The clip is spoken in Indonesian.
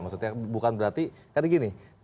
maksudnya bukan berarti